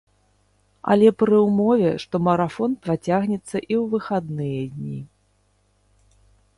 Але пры ўмове, што марафон працягнецца і ў выхадныя дні.